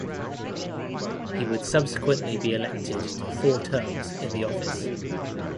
He would subsequently be elected to four terms in the office.